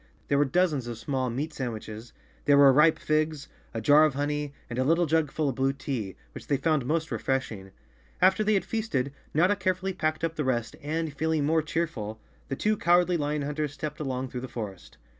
There were dozens of small meat sandwiches, there were ripe figs, a jar of honey, and a little jug full of blue tea, which they found most refreshing. After they had feasted, Notta carefully packed up the rest and, feeling more cheerful, the two cowardly lion hunters stepped along through the forest.